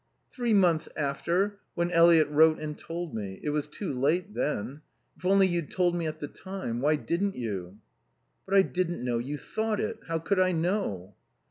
"Three months after, when Eliot wrote and told me. It was too late then.... If only you'd told me at the time. Why didn't you?" "But I didn't know you thought it. How could I know?"